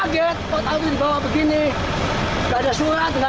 kalau tahu dibawa begini tidak ada surat